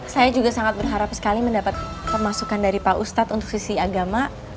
saya juga sangat berharap sekali mendapat pemasukan dari pak ustadz untuk sisi agama